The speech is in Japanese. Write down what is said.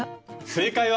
正解は！